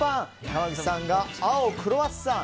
濱口さんが青、クロワッサン。